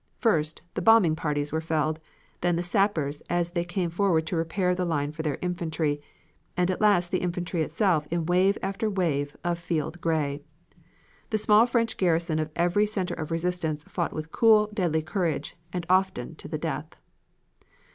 First, the bombing parties were felled, then the sappers as they came forward to repair the line for their infantry, and at last the infantry itself in wave after wave of field gray. The small French garrison of every center of resistance fought with cool, deadly courage, and often to the death.